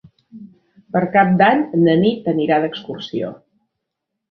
Per Cap d'Any na Nit anirà d'excursió.